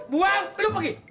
buang lu pergi